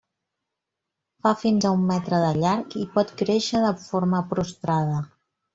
Fa fins a un metre de llarg i pot créixer de forma prostrada.